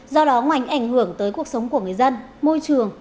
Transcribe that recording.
do đó ngoài ảnh hưởng tới cuộc sống của người dân môi trường